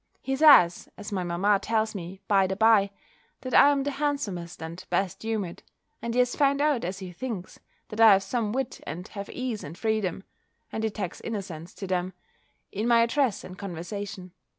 He says, as my mamma tells me by the bye, that I am the handsomest, and best humoured, and he has found out as he thinks, that I have some wit, and have ease and freedom (and he tacks innocence to them) in my address and conversation.